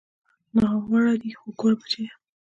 ناروا دي خو ګوره بچى.